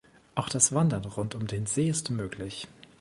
Auch das Wandern rund um den See ist möglich.